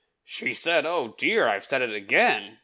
"She said, 'Oh, dear! I've said it again!'"